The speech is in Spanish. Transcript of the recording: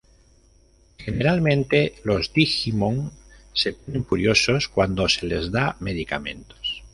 Generalmente, los Digimon se ponen furiosos cuando se les da medicamentos.